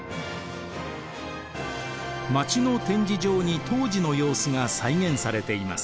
街の展示場に当時の様子が再現されています。